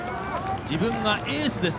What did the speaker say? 自分はエースです！